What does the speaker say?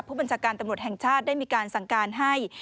ผู้บัญชาการตำรวจแห่งชาติได้มีการสั่งการให้